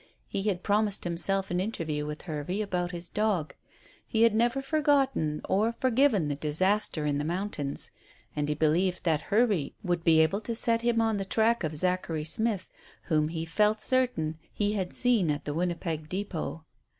He had promised himself an interview with Hervey about his dog. He had never forgotten or forgiven the disaster in the mountains, and he believed that Hervey would be able to set him on the track of Zachary Smith, whom he felt certain he had seen at the Winnipeg depôt.